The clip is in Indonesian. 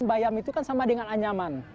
bayam itu kan sama dengan anyaman